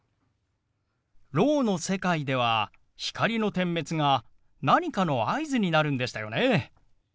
ろうの世界では光の点滅が何かの合図になるんでしたよね。